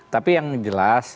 tapi yang jelas